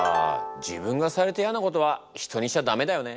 自分がされてイヤなことは人にしちゃダメだよね。